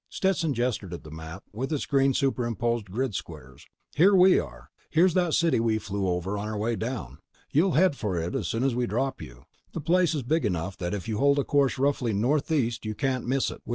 Stetson gestured at the map with its green superimposed grid squares. "Here we are. Here's that city we flew over on our way down. You'll head for it as soon as we drop you. The place is big enough that if you hold a course roughly northeast you can't miss it.